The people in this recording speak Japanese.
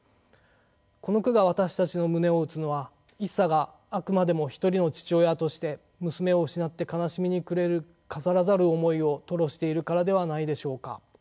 この句が私たちの胸を打つのは一茶があくまでも一人の父親として娘を失って悲しみに暮れる飾らざる思いを吐露しているからではないでしょうか。